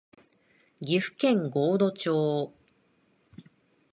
岐阜県神戸町